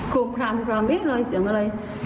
โครบครามโครบครามเบี้ยอะไรเสียงอะไรอืม